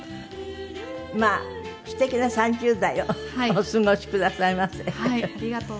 まあすてきな３０代をお過ごしくださいませ。